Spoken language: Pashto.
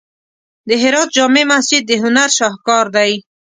د هرات جامع مسجد د هنر شاهکار دی.